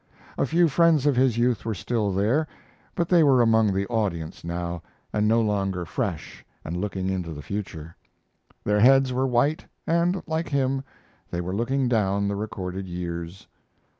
A few friends of his youth were still there, but they were among the audience now, and no longer fresh and looking into the future. Their heads were white, and, like him, they were looking down the recorded years.